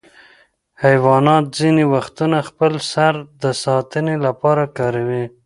حیوانات ځینې وختونه خپل سر د ساتنې لپاره کاروي.